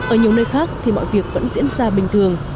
ở nhiều nơi khác thì mọi việc vẫn diễn ra bình thường